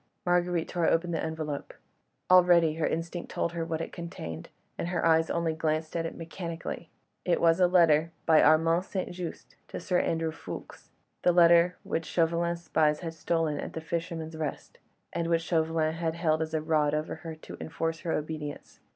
Marguerite tore open the envelope. Already her instinct had told her what it contained, and her eyes only glanced at it mechanically. It was a letter written by Armand St. Just to Sir Andrew Ffoulkes—the letter which Chauvelin's spies had stolen at "The Fisherman's Rest," and which Chauvelin had held as a rod over her to enforce her obedience.